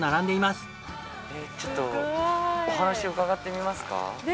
ちょっとお話を伺ってみますか？